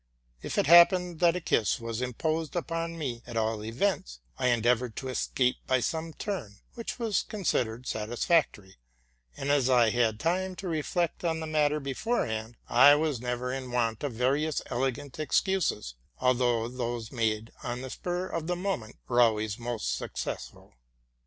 If it happened that a kiss was imposed upon me at all events, I endeavored to escape by some turn, which was considered satisfactory: and, as I had ~ RELATING TO MY LIFE. OT time to reflect on the matter beforehand, I was never in want of various elegant excuses ; although those made on the spur of the moment were always most successful.